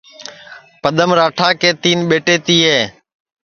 پدم راٹا کے تین ٻیٹے تیے